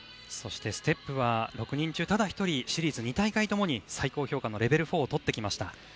ステップは６人中ただ１人シリーズ２大会ともに最高評価のレベル４でした。